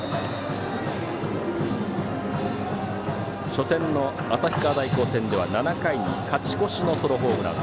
初戦の旭川大高戦では７回に勝ち越しのソロホームラン。